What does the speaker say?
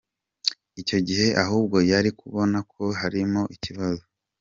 Icyo gihe ahubwo yari kubona ko harimo ikibazo.